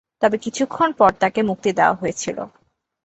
তবে কিছুক্ষণ পর তাকে মুক্তি দেওয়া হয়েছিল।